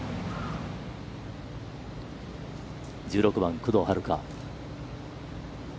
１６番、工藤遥加。